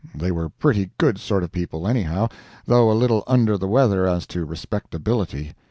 They were pretty good sort of people, anyhow, though a little under the weather as to respectability.